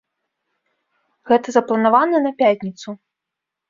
Гэта запланавана на пятніцу.